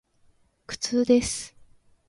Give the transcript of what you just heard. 苦痛です。